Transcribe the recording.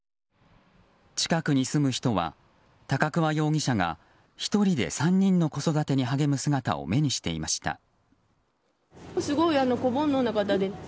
近くに住む人は、高桑容疑者が１人で３人の子育てに励む姿を目にしていました。